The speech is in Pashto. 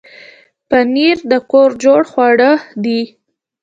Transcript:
پنېر د کور جوړ خواړه دي.